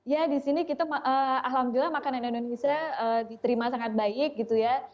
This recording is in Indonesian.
ya di sini kita alhamdulillah makanan indonesia diterima sangat baik gitu ya